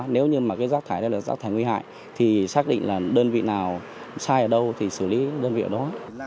nếu như rác thải này là rác thải nguy hại thì xác định là đơn vị nào sai ở đâu thì xử lý đơn vị ở đó